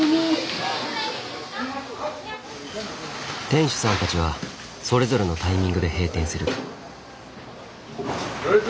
店主さんたちはそれぞれのタイミングで閉店する。